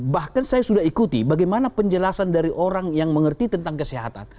bahkan saya sudah ikuti bagaimana penjelasan dari orang yang mengerti tentang kesehatan